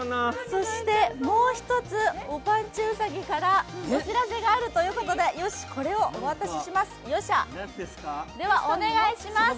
そしてもう一つ、おぱんちゅうさぎからお知らせがあるということでこちらをお渡しします。